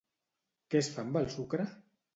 Què es fa amb el sucre?